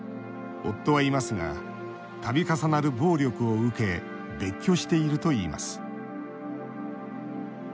夫はいますがたび重なる暴力を受け別居しているといいます。